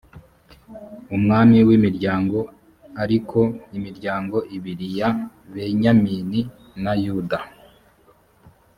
umwami w imiryango ariko imiryango ibiri ya benyamini na yuda